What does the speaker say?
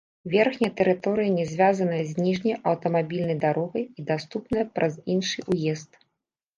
Верхняя тэрыторыя не звязаная з ніжняй аўтамабільнай дарогай, і даступная праз іншы ўезд.